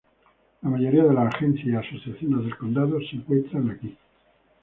La mayoría de las agencias y asociaciones del condado se encuentran aquí.